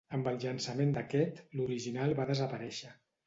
Amb el llançament d'aquest, l'original va desaparèixer.